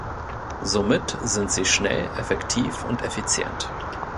Somit sind sie schnell, effektiv und effizient.